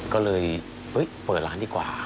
ก็เลยเปิดร้านดีกว่า